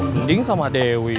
mending sama dewi